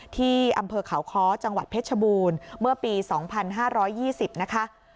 ที่อำเภอเขาค้อจังหวัดเพชรบูรณ์เมื่อปี๒๕๒๐นะคะ